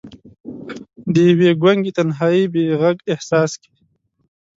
د یوې ګونګې تنهايۍ بې ږغ احساس کې